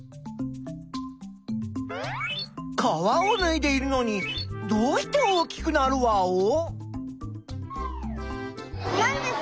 皮をぬいでいるのにどうして大きくなるワオ？